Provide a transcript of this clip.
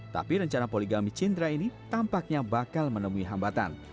tapi rencana poligami cindra ini tampaknya bakal menemui hambatan